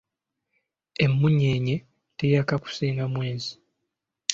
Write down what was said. Emmunyeenye teyaka kusinga mwezi.